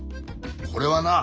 これはな